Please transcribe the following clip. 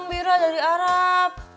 mbira jadi arab